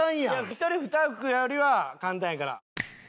１人２役よりは簡単やから。